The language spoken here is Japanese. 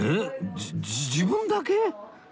じ自分だけ？